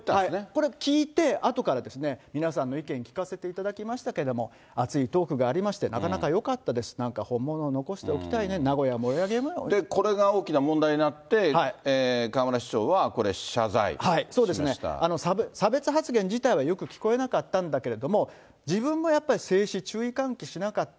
これ聞いて、あとから、皆さんの意見聞かせていただきましたけれども、熱いトークがありまして、なかなかよかったです、なんか本物を残しておきたいね、これが大きな問題になって、そうですね、差別発言自体はよく聞こえなかったんだけれども、自分もやっぱり制止、注意喚起しなかった。